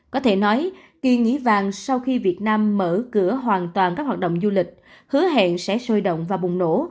có thể nói kỳ nghỉ vàng sau khi việt nam mở cửa hoàn toàn các hoạt động du lịch hứa hẹn sẽ sôi động và bùng nổ